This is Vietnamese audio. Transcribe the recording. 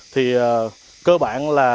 thì cơ bản là